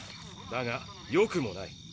だがよくもない。